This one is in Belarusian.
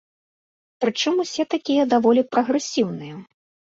Прычым усе такія даволі прагрэсіўныя.